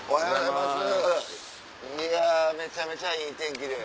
いやめちゃめちゃいい天気で。